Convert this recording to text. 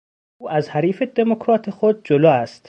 او از حریف دموکرات خود جلو است.